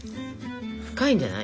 深いんじゃない？